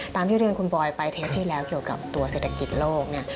ตามที่เรียนคุณบอยไปเทปที่แล้วเกี่ยวกับตัวเศรษฐกิจโลกเนี่ย